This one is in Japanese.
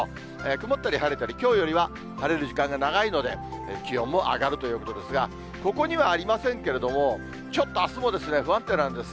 曇ったり晴れたり、きょうよりは晴れる時間が長いので、気温も上がるということですが、ここにはありませんけれども、ちょっとあすも不安定なんです。